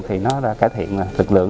thì nó đã cải thiện lực lượng